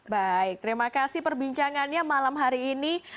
baik terima kasih perbincangannya malam hari ini